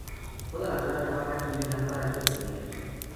Toda la planta baja tiene lámparas de herrería.